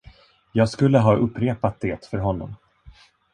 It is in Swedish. Jag skulle ha upprepat det för honom.